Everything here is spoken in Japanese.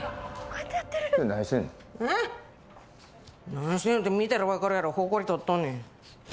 何してんのって見たらわかるやろホコリ取っとんねん。